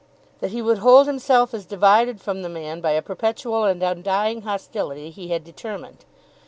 That he would hold himself as divided from the man by a perpetual and undying hostility he had determined.